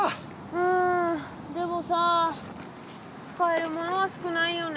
うんでもさ使えるものは少ないよね。